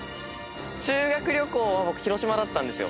修学旅行は広島だったんですよ。